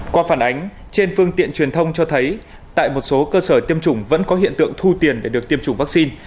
qua phản ánh trên phương tiện truyền thông cho thấy tại một số cơ sở tiêm chủng vẫn có hiện tượng thu tiền để được tiêm chủng vaccine